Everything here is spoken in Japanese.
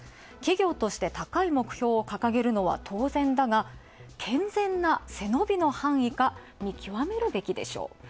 企業として高い目標を掲げるのは当然だが、健全な背伸びの範囲か見極めるべきでしょう。